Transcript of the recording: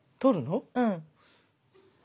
うん。